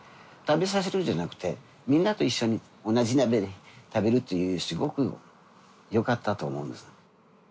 食べさせるんじゃなくてみんなと一緒に同じ鍋で食べるというすごくよかったと思うんです。